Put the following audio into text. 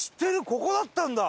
ここだったんだ！